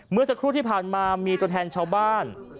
เมื่อสักครู่ที่ผ่านมามีตัวแทนชาวบ้าน